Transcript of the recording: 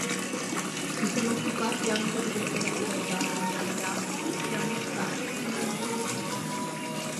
Si sono occupati anche di letteratura gialla per ragazzi e hanno curato alcune antologie.